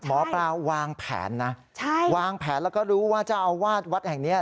หมอปลาวางแผนนะวางแผนแล้วก็รู้ว่าจะเอาวัดแห่งนี้